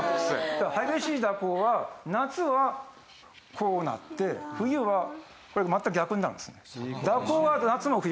だから激しい蛇行は夏はこうなって冬はこれ全く逆になるんですね。